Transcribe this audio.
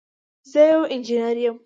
زه یو انجنير یم.